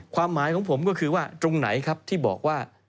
ความหมายของผมก็คือว่าตรงไหนครับที่บอกว่า